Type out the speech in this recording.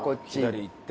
左行って。